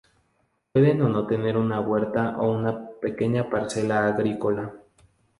Pueden o no tener una huerta o una pequeña parcela agrícola.